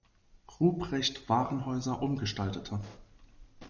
Rupprecht“-Warenhäuser umgestaltete.